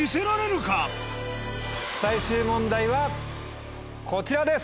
最終問題はこちらです！